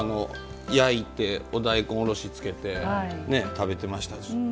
焼いて大根おろしをつけて食べてましたし。